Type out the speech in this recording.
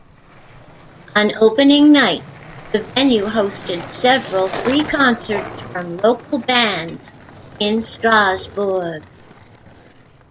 On opening night, the venue hosted several free concerts from local bands in Strasbourg.